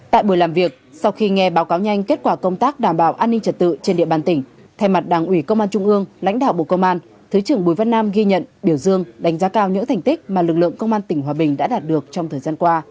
tại buổi làm việc sau khi nghe báo cáo nhanh kết quả công tác đảm bảo an ninh trật tự trên địa bàn tỉnh thay mặt đảng ủy công an trung ương lãnh đạo bộ công an thứ trưởng bùi văn nam ghi nhận biểu dương đánh giá cao những thành tích mà lực lượng công an tỉnh hòa bình đã đạt được trong thời gian qua